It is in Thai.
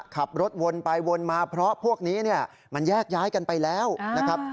ขับรถวนไปวนมาเพราะพวกนี้เนี่ยมันแยกย้ายกันไปแล้วนะครับ